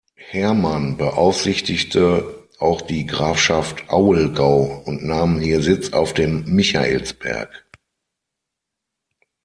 Hermann beaufsichtigte auch die Grafschaft Auelgau und nahm hier Sitz auf dem Michaelsberg.